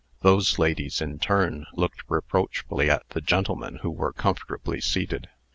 Those ladies, in turn, looked reproachfully at the gentlemen who were comfortably seated.